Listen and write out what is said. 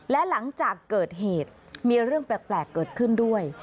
และหลังจากเกิดเหตุมีเรื่องแปลกเกิดขึ้นด้วย